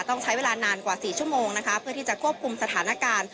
ต้องใช้เวลานานกว่า๔ชั่วโมงนะคะเพื่อที่จะควบคุมสถานการณ์